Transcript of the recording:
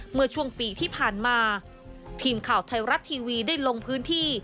เมื่อช่วงปีที่ผ่านมาทีมข่าวไทยรัฐทีวีได้ลงพื้นที่